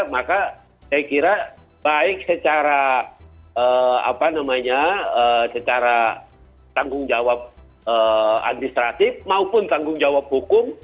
maka saya kira baik secara tanggung jawab administratif maupun tanggung jawab hukum